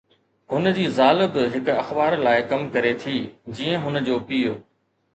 هن جي زال به هڪ اخبار لاءِ ڪم ڪري ٿي، جيئن هن جو پيءُ